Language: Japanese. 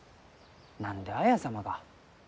何で綾様が。